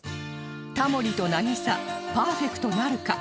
タモリと渚パーフェクトなるか？